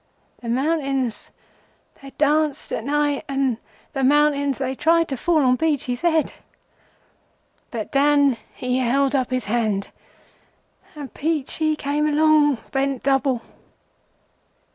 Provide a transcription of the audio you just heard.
The mountains they danced at night, and the mountains they tried to fall on Peachey's head, but Dan he held up his hand, and Peachey came along bent double.